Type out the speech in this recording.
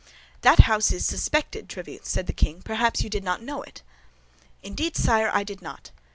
"That house is suspected, Tréville," said the king; "perhaps you did not know it?" "Indeed, sire, I did not.